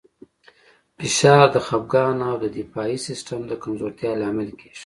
فشار د خپګان او د دفاعي سیستم د کمزورتیا لامل کېږي.